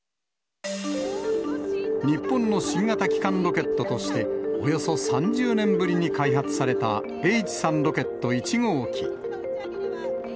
日本の新型基幹ロケットとして、およそ３０年ぶりに開発されたＨ３ロケット１号機。